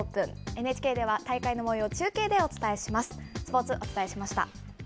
ＮＨＫでは大会のもようを中継でお伝えします。